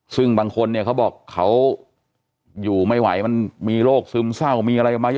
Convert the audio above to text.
ซึ่งบางคนเนี่ยเขาบอกเขาอยู่ไม่ไหวมันมีโรคซึมเศร้ามีอะไรออกมาเยอะ